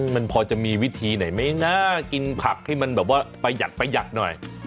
มันพอจะมีวิธีไหนไหมนะกินผักให้มันแบบว่าประหยัดประหยัดหน่อย